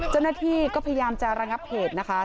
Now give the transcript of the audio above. เจ้าหน้าที่ก็พยายามจะระงับเหตุนะคะ